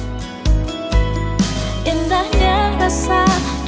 selamat ya sayang